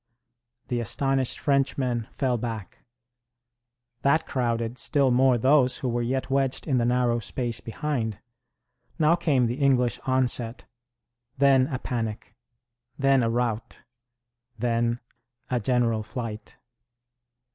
The astonished Frenchmen fell back. That crowded still more those who were yet wedged in the narrow space behind. Now came the English onset. Then a panic. Then a rout. Then a general flight.